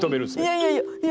いやいやいや。